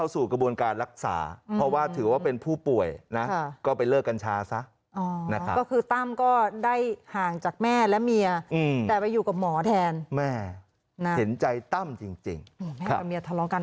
ส่วนในเรื่องของการดูแลครอบครัวก็พยายามให้ปากไม่มีเสียงกัน